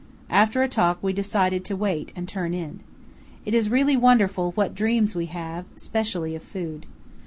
After a talk we decided to wait and turned in. It is really wonderful what dreams we have, especially of food.